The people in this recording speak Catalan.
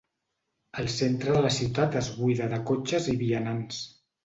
El centre de la ciutat es buida de cotxes i vianants.